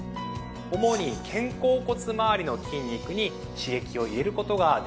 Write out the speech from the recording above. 主に肩甲骨まわりの筋肉に刺激を入れる事ができます。